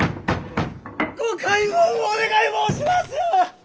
ご開門お願い申します！